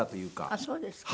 あっそうですか。